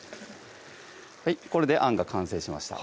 はいこれであんが完成しました